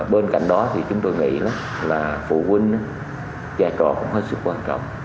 bên cạnh đó chúng tôi nghĩ là phụ huynh cha trò cũng hết sức quan trọng